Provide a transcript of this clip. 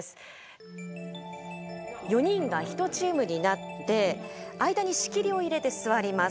４人が１チームになって間に仕切りを入れて座ります。